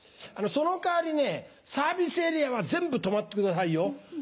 その代わりねサービスエリアは全部止まってくださいよ。